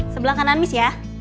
sebelah kanan miss ya